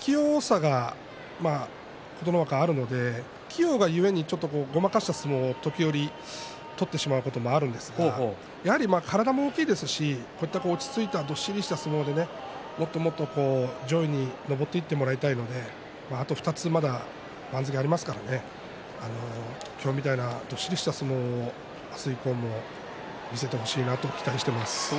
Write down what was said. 器用さが琴ノ若にあるので器用が故にごまかした相撲を時折取ってしまうこともあるんですが体も大きいですし落ち着いたどっしりとした相撲でもっと上位に上っていってもらいたいのでまだ番付がありますから今日みたいなどっしりした相撲を明日以降も見せてほしいなと期待しています。